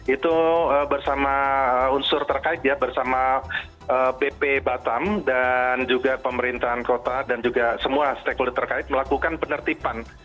itu bersama unsur terkait ya bersama bp batam dan juga pemerintahan kota dan juga semua stakeholder terkait melakukan penertiban